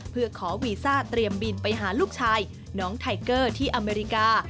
เพื่อขอวีซ่าเตรียมบินไปหาลูกชายน้องไทเกอร์ที่อเมริกา